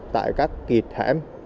tại các kiệt hẻm